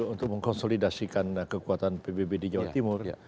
untuk mengkonsolidasikan kekuatan pbb di jawa timur